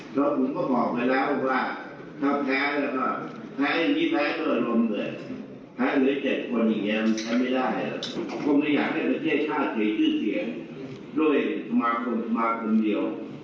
ต่อไปเพราะคุณทุกคนทำเสียชื่อประเทศชาติมากเลย